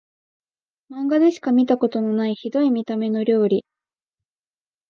マンガでしか見たことないヒドい見た目の料理